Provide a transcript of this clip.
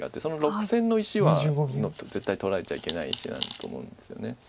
その６線の石は絶対取られちゃいけない石なんだと思うんですよね。